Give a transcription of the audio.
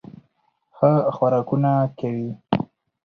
ښه خوراکونه کوي